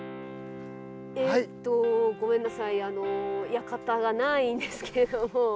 えっとごめんなさい館がないんですけど。